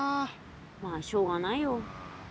まあしょうがないよ。